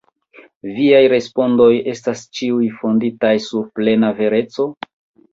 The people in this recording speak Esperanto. Viaj respondoj estas ĉiuj fonditaj sur plena vereco?